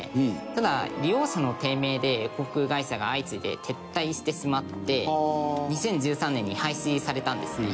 ただ利用者の低迷で航空会社が相次いで撤退してしまって２０１３年に廃止されたんですね。